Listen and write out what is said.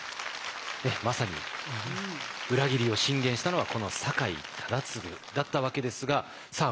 まさに裏切りを進言したのはこの酒井忠次だったわけですがさあ